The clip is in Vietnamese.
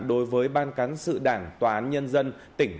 đối với ban cán sự đảng tòa án nhân dân tỉnh